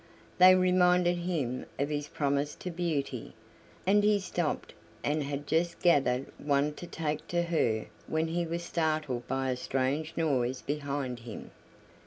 They reminded him of his promise to Beauty, and he stopped and had just gathered one to take to her when he was startled by a strange noise behind him.